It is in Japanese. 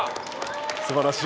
すばらしい。